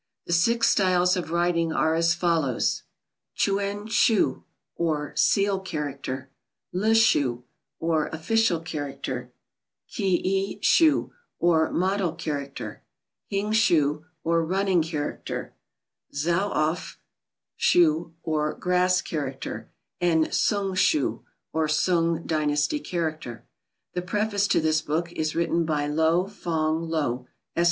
The six styles of writing are as follows: Chuen shoo, or Seal character; Le shoo, or Official character; Keae shoo, or Model character; Hing shoo, or Running character; Tsaov shoo, or Grass character; and Sung shoo, or Sung dynasty character. The preface to this book is written by Lo Fong Loh, Esq.